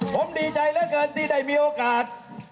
ผมดีใจเหลือเกินที่ได้มีโอกาส